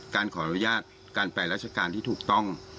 การขออนุญาตการไปราชการที่ถูกต้อง